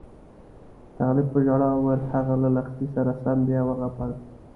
طالب په ژړا وویل هغه له لښتې سره سم بیا وغپل.